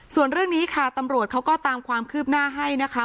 ส่วนเรื่องนี้ค่ะตำรวจเขาก็ตามความคืบหน้าให้นะคะ